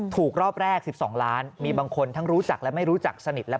รอบแรก๑๒ล้านมีบางคนทั้งรู้จักและไม่รู้จักสนิท